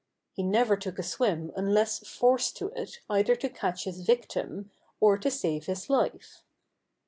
He never took a swim unless forced to it either to catch his victim or to save his life.